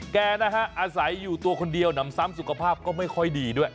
แกนะฮะอาศัยอยู่ตัวคนเดียวหนำซ้ำสุขภาพก็ไม่ค่อยดีด้วย